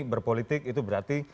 berpolitik itu berarti